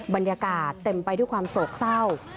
บรรยากาศเต็มไปด้วยความโศกเศร้า